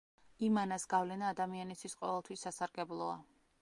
იმანას გავლენა ადამიანისთვის ყოველთვის სასარგებლოა.